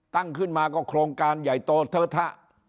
ตั้งขึ้นมาก็โครงการใหญ่โตเทอะทะ